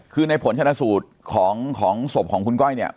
คือในผลชนะสูตรของศพของคุณก้อยเนี่ย